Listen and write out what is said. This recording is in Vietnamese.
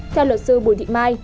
theo luật sư bùi thị mai